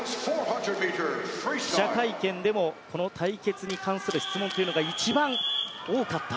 記者会見でもこの対決に関する質問が一番多かった。